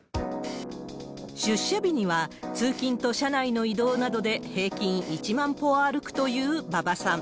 出社日には、通勤と社内の移動などで平均１万歩歩くという馬場さん。